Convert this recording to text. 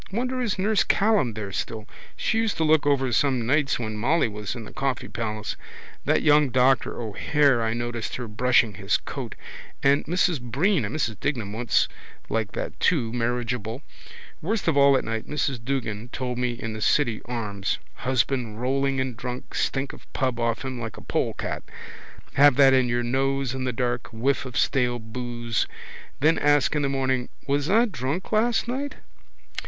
Wonder is nurse Callan there still. She used to look over some nights when Molly was in the Coffee Palace. That young doctor O'Hare I noticed her brushing his coat. And Mrs Breen and Mrs Dignam once like that too, marriageable. Worst of all at night Mrs Duggan told me in the City Arms. Husband rolling in drunk, stink of pub off him like a polecat. Have that in your nose in the dark, whiff of stale boose. Then ask in the morning: was I drunk last night?